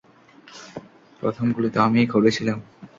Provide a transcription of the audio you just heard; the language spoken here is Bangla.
প্রথম গুলি তো আমিই করেছিলাম।